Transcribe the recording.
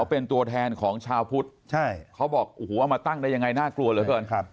เป็นตัวแทนของชาวพุทธใช่เขาบอกโอ้โหเอามาตั้งได้ยังไงน่ากลัวเหลือเกิน